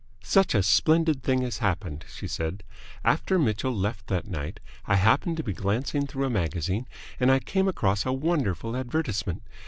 "Such a splendid thing has happened," she said. "After Mitchell left that night I happened to be glancing through a magazine, and I came across a wonderful advertisement.